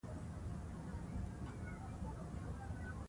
ټولنیز نظم د ګډو اصولو اړتیا لري.